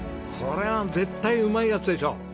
これは絶対うまいやつでしょ。